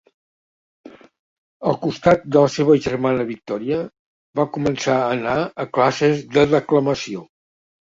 Al costat de la seva germana Victòria, va començar a anar a classes de declamació.